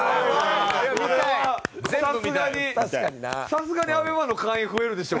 さすがにＡＢＥＭＡの会員増えるでしょ